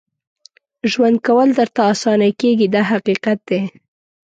ژوند کول درته اسانه کېږي دا حقیقت دی.